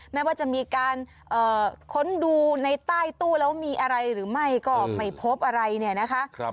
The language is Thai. ไม่ว่าจะมีการค้นดูในใต้ตู้แล้วมีอะไรหรือไม่ก็ไม่พบอะไรเนี่ยนะคะ